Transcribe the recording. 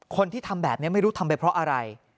คนที่ทำแบบนี้ไม่รู้ทำไปเพราะอะไร